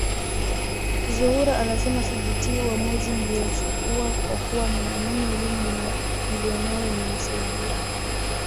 Zuhura anasema sijutii uamuzi niliouchukua kwa kuwa ninaamini elimu niliyonayo imenisaidia